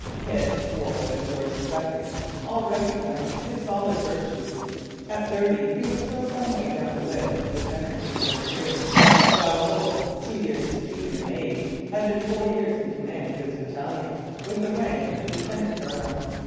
Pitt, Wolfe, and George II all recognized his solid virtues. At thirty he was still some way down the list of lieutenants in the Grenadiers, while Wolfe, two years his junior in age, had been four years in command of a battalion with the rank of lieutenant colonel.